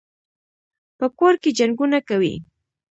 په کور کي جنګونه کوي.